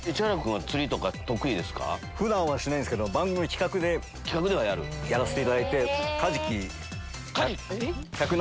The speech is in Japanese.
普段はしないんですけど番組の企画でやらせていただいて。